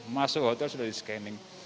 masuk hotel sudah di scanning